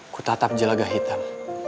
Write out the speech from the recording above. ku tatap jelagah hitam